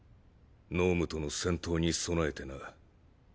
脳無との戦闘に備えてな。